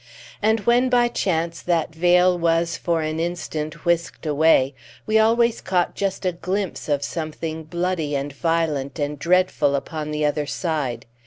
And when by chance that veil was for an instant whisked away, we always caught just a glimpse of something bloody and violent and dreadful upon the other side.